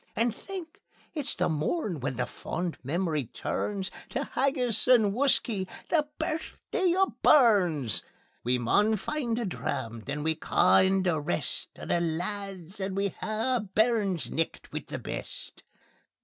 And think! it's the morn when fond memory turns Tae haggis and whuskey the Birthday o' Burns. We maun find a dram; then we'll ca' in the rest O' the lads, and we'll hae a Burns' Nicht wi' the best."